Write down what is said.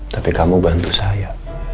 tapi kamu bantu saya